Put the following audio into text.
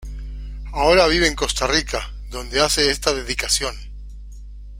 Ahora vive en Costa Rica, donde hace esta dedicación.